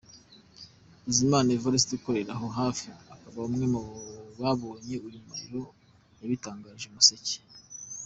Bizimana Evariste ukorera aho hafi akaba umwe mu babonye uyu muriro yabitangarije Umuseke.